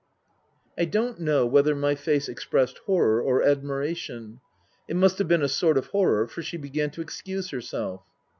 I don't know whether my face expressed horror or admiration. It must have been a sort of horror, for she began to excuse herself.